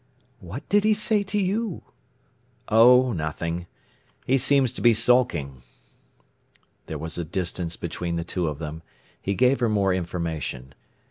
"What did he say to you?" "Oh, nothing! He seems to be sulking." There was a distance between the two of them. He gave her more information.